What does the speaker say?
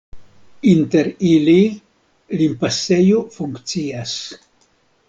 Inter ili limpasejo funkcias.